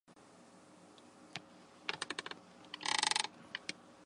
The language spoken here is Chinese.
街道办事处所在地为棚下岭。